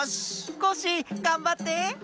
コッシーがんばって！